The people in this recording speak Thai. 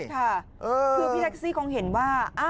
คือพี่ทักซี่คงเห็นว่า